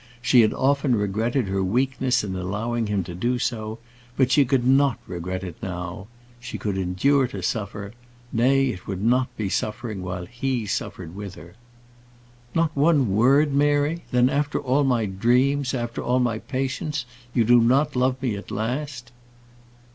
She had often regretted her weakness in allowing him to do so; but she could not regret it now. She could endure to suffer; nay, it would not be suffering while he suffered with her. "Not one word, Mary? Then after all my dreams, after all my patience, you do not love me at last?"